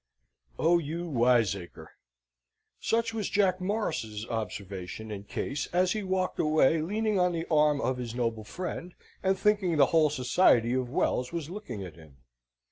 O you wiseacre! Such was Jack Morris's observation and case as he walked away leaning on the arm of his noble friend, and thinking the whole Society of the Wells was looking at him.